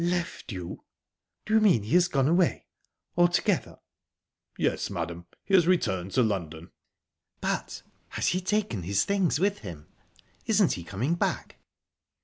"Left you?...Do you mean he has gone away altogether?" "Yes, madam; he has returned to London." "But has he taken his things with him? Isn't he coming back?"